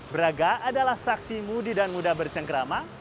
braga adalah saksi mudi dan muda bercengkrama